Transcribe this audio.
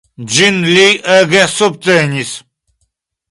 Ĝin li ege subtenis.